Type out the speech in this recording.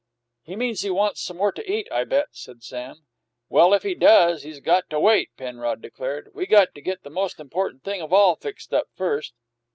"He means he wants some more to eat, I bet," said Sam. "Well, if he does, he's got to wait," Penrod declared. "We got to get the most important thing of all fixed up first."